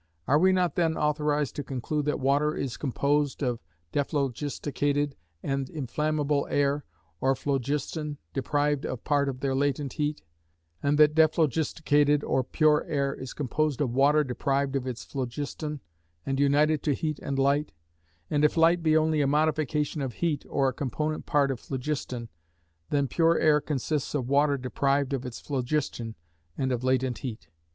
Are we not then authorised to conclude that water is composed of dephlogisticated and inflammable air, or phlogiston, deprived of part of their latent heat; and that dephlogisticated, or pure air, is composed of water deprived of its phlogiston, and united to heat and light; and if light be only a modification of heat, or a component part of phlogiston, then pure air consists of water deprived of its phlogiston and of latent heat?